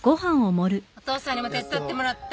お父さんにも手伝ってもらった。